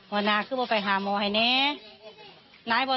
วันนี้คือว่าไปหามัวให้เนี่ย